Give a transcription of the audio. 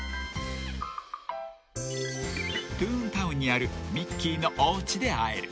［トゥーンタウンにあるミッキーのおうちで会える］